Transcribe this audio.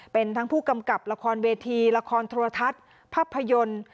เป็นทั้งผู้กำกับละครเวทีละครโทรทัศน์ภาพยนตร์